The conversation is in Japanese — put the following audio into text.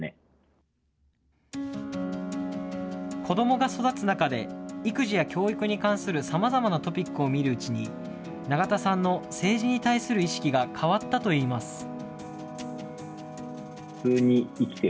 子どもが育つ中で、育児や教育に関するさまざまなトピックを見るうちに、永田さんの政治に対する意識が変わったといいます。